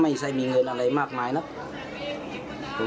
มันมีหลายคำพูด